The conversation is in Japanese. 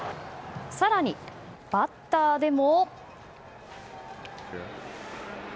更にバッターでも。